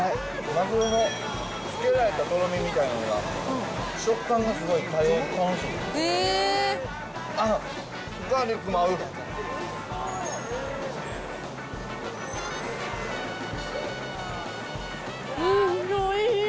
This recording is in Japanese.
マグロのつけられたとろみみたいなのが、食感がすごい楽しい。